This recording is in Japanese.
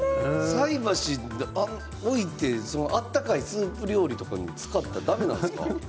菜箸を置いて温かいスープ料理に使っちゃだめなんですか？